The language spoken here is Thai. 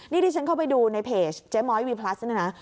นี่ที่ฉันเข้าไปดูในเพจเจ๊ม้อยวีพลัสเนี่ยนะ